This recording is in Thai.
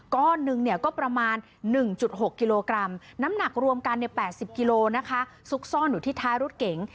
ก้อนหนึ่งก็ประมาณ๑๖กิโลกรัมน้ำหนักรวมกัน๘๐กิโลนะคะซุกซ่อนอยู่ที่ท้ายรถเก๋ง